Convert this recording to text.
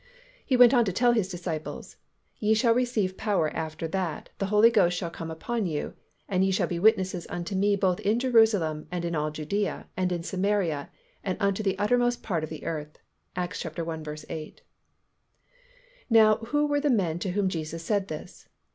He went on to tell His disciples "Ye shall receive power after that the Holy Ghost shall come upon you: and ye shall be witnesses unto Me both in Jerusalem, and in all Judea, and in Samaria, and unto the uttermost part of the earth" (Acts i. 8). Now who were the men to whom Jesus said this?